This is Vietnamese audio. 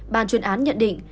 bán chuyên án nhận định